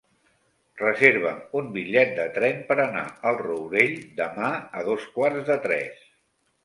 Reserva'm un bitllet de tren per anar al Rourell demà a dos quarts de tres.